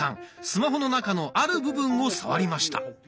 スマホの中のある部分を触りました。